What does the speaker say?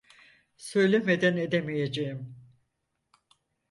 Söylemeden edemeyeceğim.